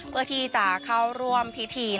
เพื่อที่จะเข้าร่วมพิธี